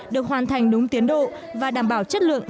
được hoàn thành đúng tiến độ và đảm bảo chất lượng